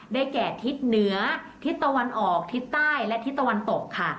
แก่ทิศเหนือทิศตะวันออกทิศใต้และทิศตะวันตกค่ะ